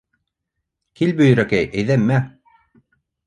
Кил, Бөйрәкәй, әйҙә, мә!